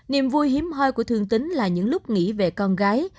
niềm vui hiếm hoi của thương tính là những lúc nghĩ về con gái